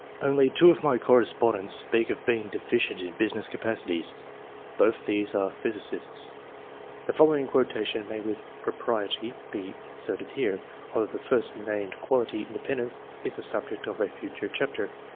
Only two of my correspondents speak of being deficient in business capacities. Both these are physicists. The following quotation may with propriety be inserted here, although the first named quality, independence, is. the subject of a future chapter.